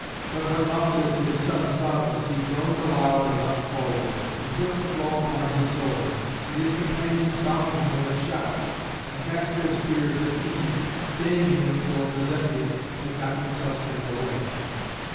But when Lausus, his son, saw this, he groaned aloud and leapt forward, and took the blow upon his sword; and his companions followed him with a shout, and cast their spears at Æneas, staying him till Mezentius had gotten himself safe away.